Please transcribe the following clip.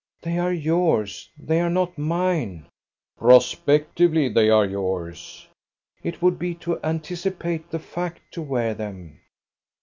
"They are yours, they are not mine." "Prospectively they are yours." "It would be to anticipate the fact to wear them."